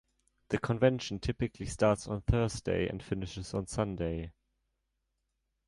The convention typically starts on Thursday and finishes on Sunday.